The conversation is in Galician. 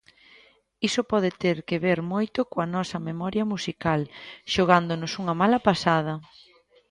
Iso pode ter que ver moito coa nosa memoria musical xogándonos unha mala pasada.